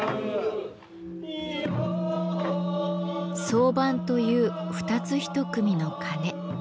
双盤という２つ１組の鉦。